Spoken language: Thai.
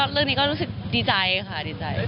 เรื่องนี้ก็รู้สึกดีใจค่ะดีใจ